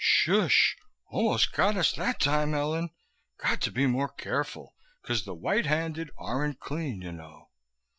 Shoosh! Almost got us that time, Ellen. Got to be more careful, cause the white handed aren't clean, you know."